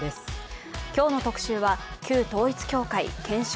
今日の「特集」は旧統一教会検証